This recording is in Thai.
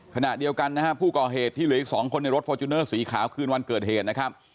ขณะเดียวกันนะฮะผู้ก่อเหตุที่เหลืออีก๒คนในรถฟอร์จูเนอร์สีขาวคืนวันเกิดเหตุนะครับ